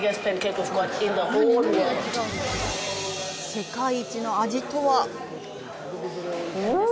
世界一の味とは？